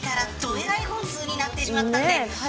えらい本数になってしまった。